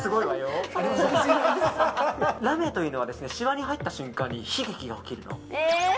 ラメというのはシワに入った瞬間に悲劇が起きるの。